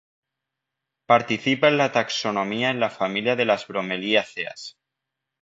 Participa en la taxonomía en la familia de las bromeliáceas.